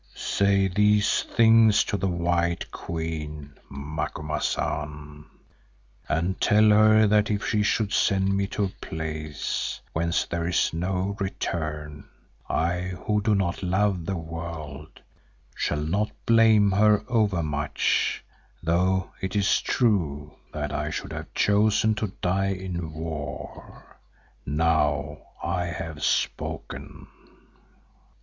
"Say these things to the white Queen, Macumazahn, and tell her that if she should send me to a place whence there is no return, I who do not love the world, shall not blame her overmuch, though it is true that I should have chosen to die in war. Now I have spoken."